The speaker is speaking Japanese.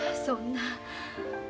そんな。